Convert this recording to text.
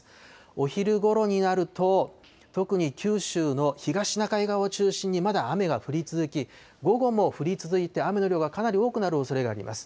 お昼ごろになると、特に九州の東シナ海側を中心に、まだ雨が降り続き、午後も降り続いて、雨の量がかなり多くなるおそれがあります。